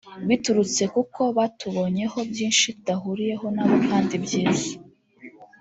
biturutse kuko batubonyeho byinshi tudahuriyeho nabo kandi byiza